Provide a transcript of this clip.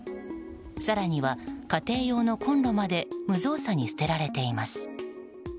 更には家庭用のコンロまで無造作に捨てられています。